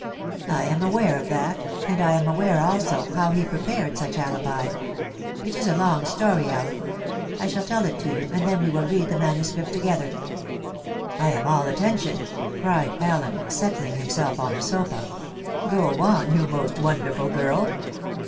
"I am aware of that, and I am aware also how he prepared such alibi. It is a long story, Allen. I shall tell it to you, and then we will read the manuscript together." "I am all attention," cried Allen, settling himself on the sofa. "Go on, you most wonderful girl."